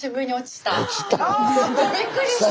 びっくりして。